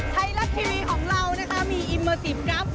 ไทรลักษณ์ทีวีของเรานะคะมีอิมเมอร์ซีฟกรุ่า